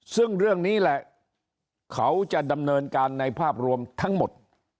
ซึ่งเรื่องนี้แหละเขาจะดำเนินการในภาพรวมทั้งหมด